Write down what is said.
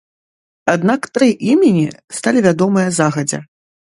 Аднак тры імені сталі вядомыя загадзя.